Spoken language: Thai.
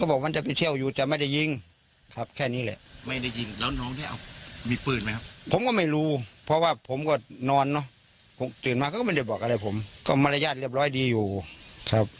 ผมตื่นมาก็ไม่ได้บอกอะไรผมก็มารยาทเรียบร้อยดีอยู่ครับ